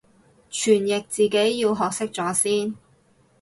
傳譯自己要學識咗先